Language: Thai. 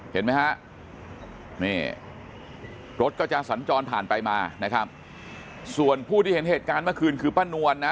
เห็นไหมฮะนี่รถก็จะสัญจรผ่านไปมานะครับส่วนผู้ที่เห็นเหตุการณ์เมื่อคืนคือป้านวลนะ